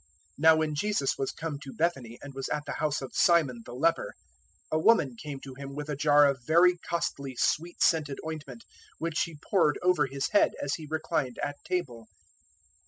026:006 Now when Jesus was come to Bethany and was at the house of Simon the Leper, 026:007 a woman came to Him with a jar of very costly, sweet scented ointment, which she poured over His head as He reclined at table.